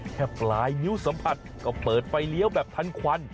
แค่ปลายนิ้วสัมผัสก็เปิดไฟเลี้ยวแบบทันควัน